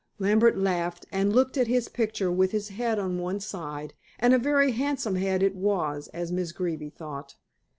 Lambert laughed and looked at his picture with his head on one side, and a very handsome head it was, as Miss Greeby thought.